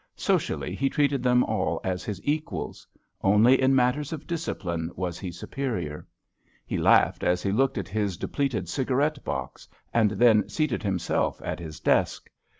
Socially he treated them all as his equals; only in matters of discipline was he superior. He laughed as he looked at his depleted cigarette box, and then seated himself at his desk.